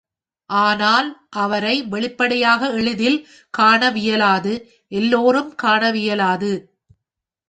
ஆனால் அவரை வெளிப்படையாக எளிதில் காண வியலாது எல்லாரும் காணவியலாது.